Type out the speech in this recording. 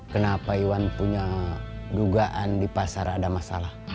kenapa iwan punya dugaan di pasar ada masalah